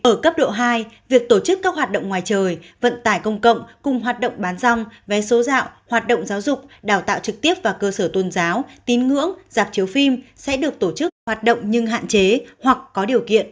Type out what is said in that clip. ở cấp độ hai việc tổ chức các hoạt động ngoài trời vận tải công cộng cùng hoạt động bán dòng vé số dạo hoạt động giáo dục đào tạo trực tiếp và cơ sở tôn giáo tín ngưỡng dạp chiếu phim sẽ được tổ chức hoạt động nhưng hạn chế hoặc có điều kiện